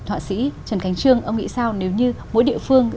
họa sĩ trần khánh trương ông nghĩ sao nếu như mỗi địa phương